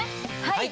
はい！